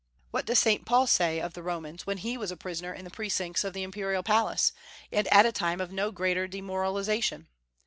What does St. Paul say of the Romans when he was a prisoner in the precincts of the imperial palace, and at a time of no greater demoralization?